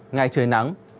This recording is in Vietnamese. ngày trời nắng